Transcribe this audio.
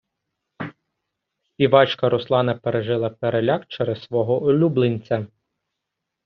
Співачка Руслана пережила переляк через свого улюбленця.